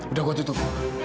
udah gue tutup